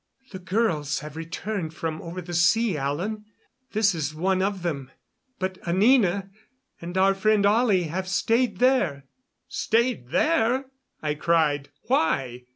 "The girls have returned from over the sea, Alan. This is one of them. But Anina and our friend Ollie have stayed there." "Stayed there?" I cried. "Why?"